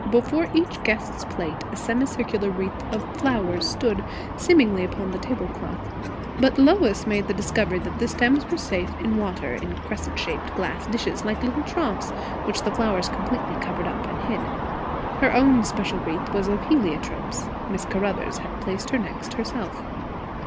Before each guest's plate a semicircular wreath of flowers stood, seemingly upon the tablecloth; but Lois made the discovery that the stems were safe in water in crescent shaped glass dishes, like little troughs, which the flowers completely covered up and hid. Her own special wreath was of heliotropes. Miss Caruthers had placed her next herself.